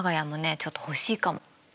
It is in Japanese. ちょっと欲しいかも。